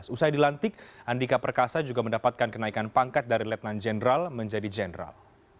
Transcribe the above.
usai dilantik andika perkasa juga mendapatkan kenaikan pangkat dari letnan jenderal menjadi jenderal